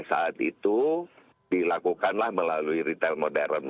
nah pada saat itu dilakukanlah melalui retail modern